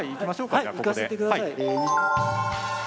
はいいかせてください。